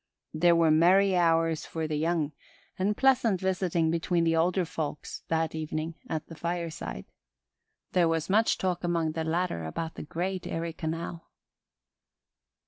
There were merry hours for the young, and pleasant visiting between the older folk that evening at the fireside. There was much talk among the latter about the great Erie Canal.